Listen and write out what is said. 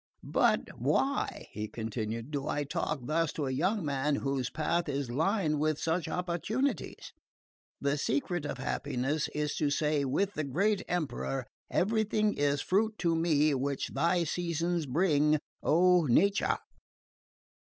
"But why," he continued, "do I talk thus to a young man whose path is lined with such opportunities? The secret of happiness is to say with the great Emperor, 'Everything is fruit to me which thy seasons bring, O Nature.'"